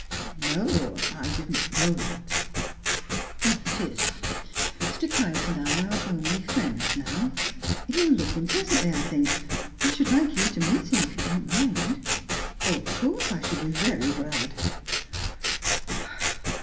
"No, I didn't know that." "It is. Mr. Kite and I are only friends now. He'll look in presently, I think. I should like you to meet him, if you don't mind." "Of course I shall be very glad."